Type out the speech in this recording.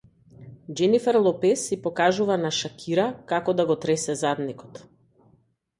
Џенифер Лопез и покажува на Шакира како да го тресе задникот